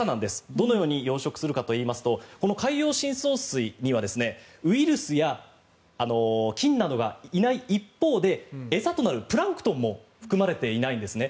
どのように養殖するかというとこの海洋深層水にはウイルスや菌などがいない一方で餌となるプランクトンも含まれていないんですね。